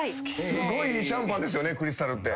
すごいシャンパンですよねクリスタルって。